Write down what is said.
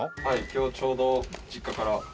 今日ちょうど実家から。